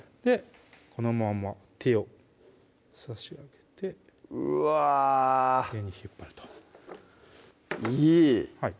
このまんま手を差し上げてうわ上に引っ張るといい！